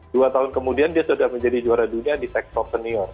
dua tahun kemudian dia sudah menjadi juara dunia di sekshop senior